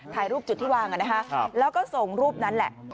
ถ่ายรูปจุดที่วางแล้วก็ส่งรูปนั้นแหละ